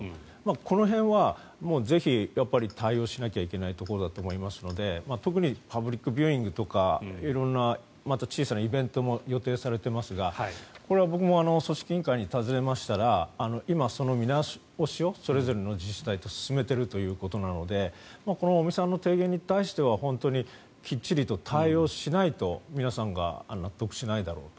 この辺はぜひ対応しなきゃいけないところだと思いますので特にパブリックビューイングとか色んな小さなイベントも予定されていますがこれは僕も組織委員会に尋ねましたら今、見直しをそれぞれの自治体と進めているということなのでこの尾身さんの提言に対しては本当にきっちりと対応しないと皆さんが納得しないだろうと。